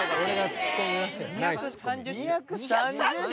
２３０種？